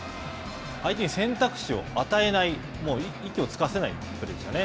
相手に選択肢を与えない、息をつかせないプレーでしたね。